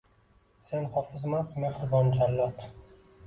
Sen hofizmas, mehribon jallod